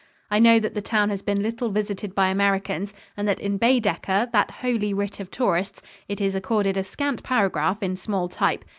I know that the town has been little visited by Americans, and that in Baedeker, that Holy Writ of tourists, it is accorded a scant paragraph in small type.